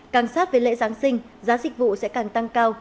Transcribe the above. càng sát với lễ giáng sinh giá dịch vụ sẽ càng tăng cao